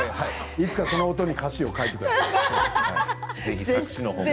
いつかこの音に歌詞を書いてください。